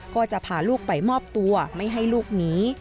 ก็จะพาลูกไปมอบตัวไม่ให้ลูกหนี